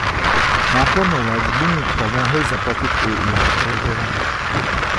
Nákladnou léčbu mu pomohli zaplatit i jeho kolegové.